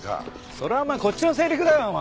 それはお前こっちのセリフだよお前！